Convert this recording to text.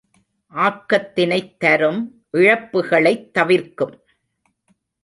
ஆக்கத்தினைத் தரும் இழப்புக்களைத் தவிர்க்கும்.